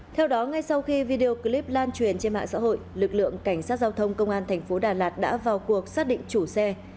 theo đó ngay sau khi video clip lan truyền trên mạng xã hội lực lượng cảnh sát giao thông công an thành phố đà lạt đã vào cuộc xác định chủ xe